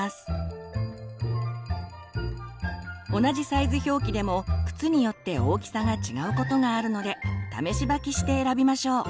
同じサイズ表記でも靴によって大きさが違うことがあるので試し履きして選びましょう。